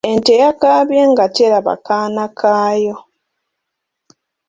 Ente yakaabye nga teraba kaana kayo.